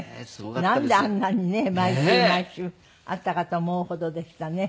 なんであんなにね毎週毎週あったかと思うほどでしたね。